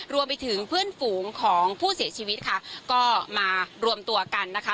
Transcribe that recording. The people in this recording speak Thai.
รวมไปถึงเพื่อนฝูงของผู้เสียชีวิตค่ะก็มารวมตัวกันนะคะ